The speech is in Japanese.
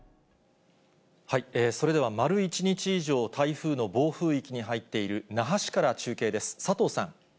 それでは丸１日以上、台風の暴風域に入っている那覇市から中継です。